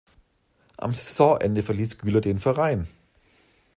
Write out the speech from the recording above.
Am Saisonende verließ Güler den Verein.